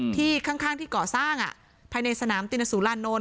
ที่ข้างที่ก่อสร้างภายในสนามตินสุรานนท